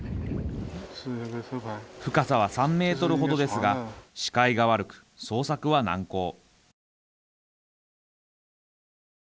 深さは３メートルほどですが視界が悪く、捜索は難航。